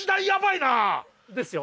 ですよ。